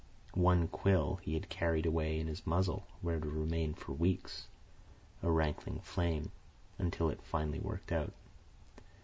One quill he had carried away in his muzzle, where it had remained for weeks, a rankling flame, until it finally worked out.